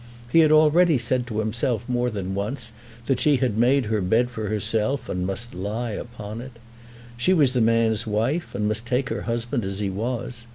He had already said to himself more than once that she had made her bed for herself, and must lie upon it. She was the man's wife, and must take her husband as he was.